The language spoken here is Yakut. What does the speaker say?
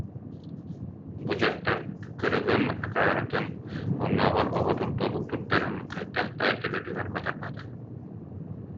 Бу дьахтар кырыгын, акаарытын, оннооҕор оҕотун толук туттарын хайдах да төбөтүгэр батарбата